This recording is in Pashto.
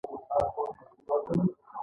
• بخښنه د آرام ذهن نښه ده.